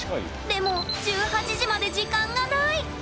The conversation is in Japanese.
でも１８時まで時間がない！